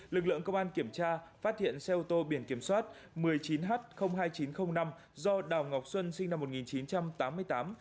lực lượng công an kiểm tra phát hiện xe ô tô biển kiểm soát một mươi chín h hai nghìn chín trăm linh năm do đào ngọc xuân sinh năm một nghìn chín trăm tám mươi tám